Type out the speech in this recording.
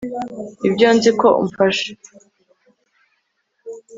Ibyo nzi ko umfashe